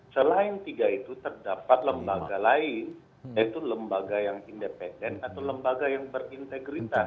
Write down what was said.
selain tiga itu terdapat lembaga lain yaitu lembaga yang independen atau lembaga yang berintegritas